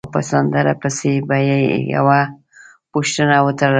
او په سندره پسې به یې یوه پوښتنه وتړله.